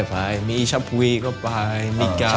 ไปมีชัพพุยก็ไปมีกาไป